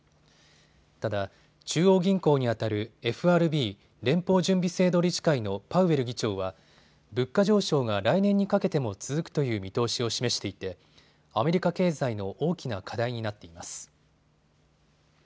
ただ、中央銀行にあたるＦＲＢ・連邦準備制度理事会のパウエル議長は物価上昇が来年にかけても続くという見通しを示していてアメリカ経済の大きな課題になっています。